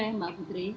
selamat sore mbak putri